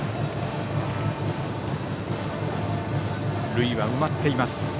塁は埋まっています。